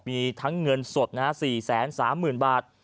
มีทั้งเงินสดนะครับ๔๓๐๐๐๐๐บาท